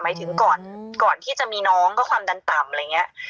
ไม่ถึงก่อนที่จะมีน้องก็ความดันต่ำ